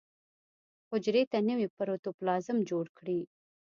حجرې ته نوی پروتوپلازم جوړ کړي.